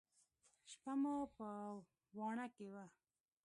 شپه مو په واڼه کښې وه.